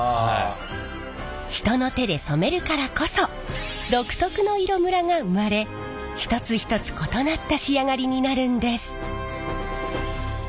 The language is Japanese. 人の手で染めるからこそ独特の色ムラが生まれ一つ一つ異なった仕上がりになるんです。